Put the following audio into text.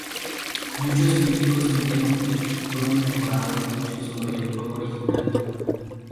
Muchos críticos sintieron que fueron mejorados mucho sobre el juego original.